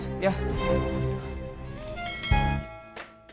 ya makasih ya mas